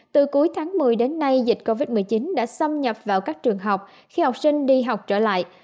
từ cuối tháng một mươi đến nay dịch covid một mươi chín đã xâm nhập vào các trường học khi học sinh đi học trở lại